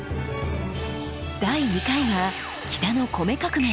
第２回は北の米革命